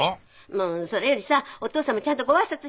もうそれよりさお父さんもちゃんとご挨拶して！